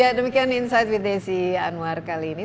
ya demikian insight with desi anwar kali ini